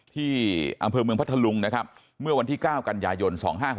ที่อำเภอเมืองพัทธลุงนะครับเมื่อวันที่๙กันยายน๒๕๖๖